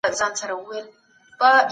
موږ اوس هم پر دې مسایلو بوخت یو.